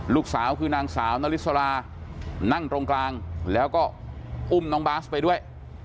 ลูกสาวคือนางสาวนาริสรานั่งตรงกลางแล้วก็อุ้มน้องบาสไปด้วย